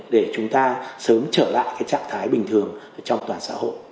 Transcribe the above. để chúng ta sớm trở lại trạng thái bình thường trong toàn xã hội